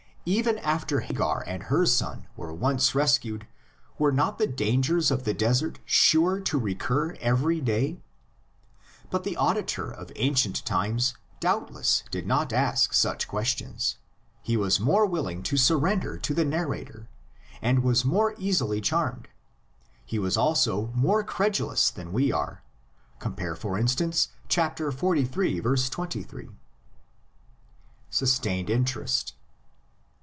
Even after Hagar and her son were once rescued, were not the dangers of the desert sure to recur LITER A R V FORM OF THE LEGENDS. 73 every day? But the auditor of ancient times doubtless did not ask such questions; he was more willing to surrender to the narrator, and was more easily charmed; he was also more credulous than we are; compare for instance, xliii. 23. SUSTAINED INTEREST.